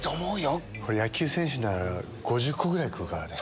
これ、野球選手なら５０個ぐらい食うからね。